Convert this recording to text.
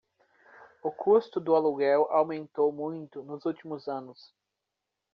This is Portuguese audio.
O custo do aluguel aumentou muito nos últimos anos.